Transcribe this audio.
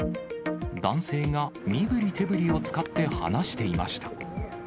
男性が身振り手振りを使って話していました。